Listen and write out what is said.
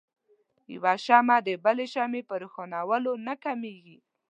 يوه شمعه د بلې شمعې په روښانؤلو نه کميږي.